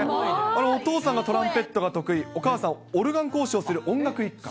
お父さんがトランペットが得意、お母さん、オルガン講師をする音楽一家。